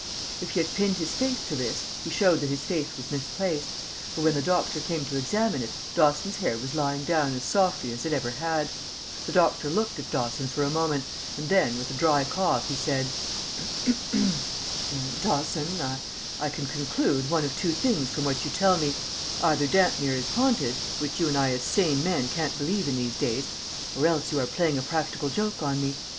If he had pinned his faith to this, he showed that his faith was misplaced, for when the doctor came to examine it, Dawson's hair was lying down as softly as it ever had. The doctor looked at Dawson for a moment, and then, with a dry cough, he said: [Illustration: "WHEN HE ROSE UP IN THE MORNING HE WOULD FIND EVERY SINGLE HAIR ON HIS HEAD STANDING ERECT"] "Dawson, I can conclude one of two things from what you tell me. Either Dampmere is haunted, which you and I as sane men can't believe in these days, or else you are playing a practical joke on me.